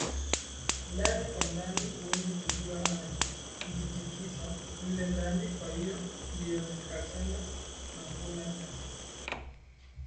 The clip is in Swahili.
ndani kwa ndani Huwezi kujua anajitikisa mle ndani Kwahiyo ndio nikasema na kula nyama